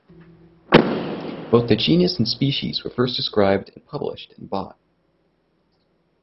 Both the genus and species were first described and published in Bot.